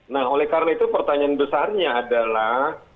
nah oleh karena itu pertanyaan besarnya adalah